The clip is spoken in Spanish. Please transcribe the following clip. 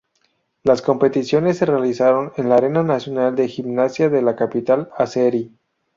Las competiciones se realizaron en la Arena Nacional de Gimnasia de la capital azerí.